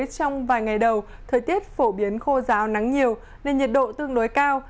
trong vài ngày đầu thời tiết phổ biến khô ráo nắng nhiều nên nhật độ tương đối cao